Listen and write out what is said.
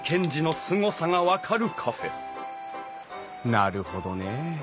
なるほどねえ。